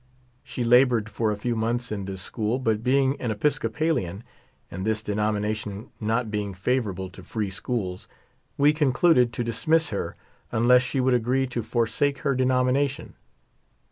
She labored for a few months in this school, but being an Episcopalian, and this denomination not being favorable to free schools, we concluded to dismiss her unless she would agree to forsake her denomination.